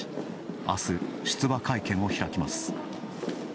あす、出馬会見を開きます。